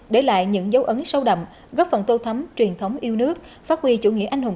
để lại những dấu ấn sâu đậm góp phần tô thắm truyền thống yêu nước phát huy chủ nghĩa anh hùng